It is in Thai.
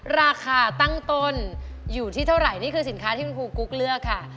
ราคาตั้งต้นอยู่ที่เท่าไหร่นี่คือสินค้าที่คุณครูกุ๊กเลือกค่ะ